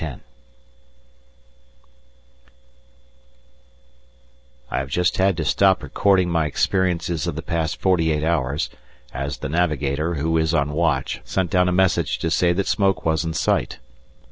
I have just had to stop recording my experiences of the past forty eight hours, as the Navigator, who is on watch, sent down a message to say that smoke was in sight.